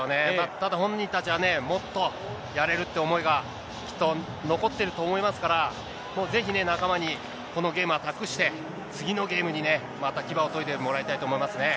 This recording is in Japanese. ただ、本人たちはね、もっとやれるっていう思いがきっと残ってると思いますから、ぜひね、仲間にこのゲームは託して、次のゲームにね、また牙を研いでもらいたいと思いますね。